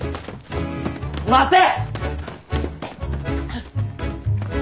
待て！